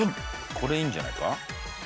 これいいんじゃないか？